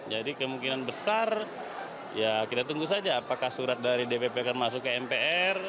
jadi kemungkinan besar ya kita tunggu saja apakah surat dari dpp akan masuk ke mpr